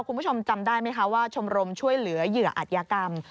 คุณผู้ชมจำได้ไหมคะว่าชมรมช่วยเหลือเหยื่ออัธยากรรม